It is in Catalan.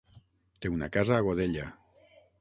Té una casa a Godella.